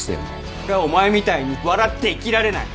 俺はお前みたいに笑って生きられない！